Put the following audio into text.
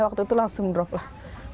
waktu itu langsung drop lah